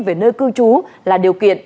về nơi cư trú là điều kiện